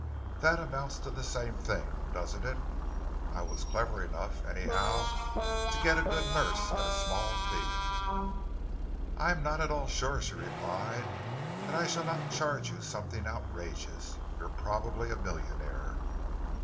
"That amounts to the same thing, doesn't it? I was clever enough, anyhow, to get a good nurse at a small fee." "I am not at all sure," she replied, "that I shall not charge you something outrageous. You are probably a millionaire."